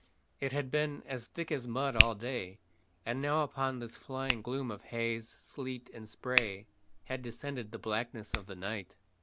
It had been as thick as mud all day, and now upon this flying gloom of haze, sleet, and spray had descended the blackness of the night.